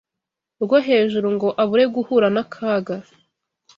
rwo hejuru ngo abure guhura n’akaga